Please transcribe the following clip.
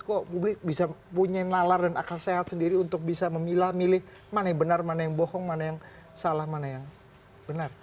kok publik bisa punya nalar dan akal sehat sendiri untuk bisa memilah milih mana yang benar mana yang bohong mana yang salah mana yang benar